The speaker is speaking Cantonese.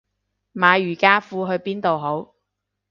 買瑜伽褲去邊度好